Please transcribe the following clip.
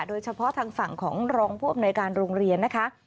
โดยเฉพาะทางฝั่งของรองพอโรงเรียนนะคะ